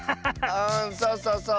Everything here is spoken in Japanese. うんそうそうそう。